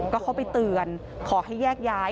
ก็เข้าไปเตือนขอให้แยกย้าย